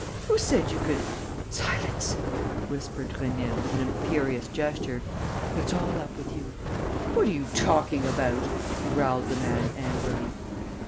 Who said you could...." "Silence!" whispered Rénine, with an imperious gesture. "It's all up with you!" "What are you talking about?" growled the man, angrily.